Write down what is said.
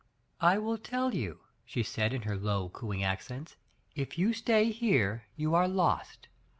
"I will tell you," she said, in her low, cooing accents; ''if you stay here, you are lost!